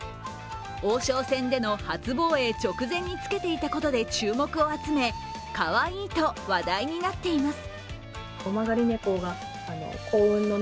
王将戦での初防衛直前に着けていたことで注目を集め、かわいいと話題になっています。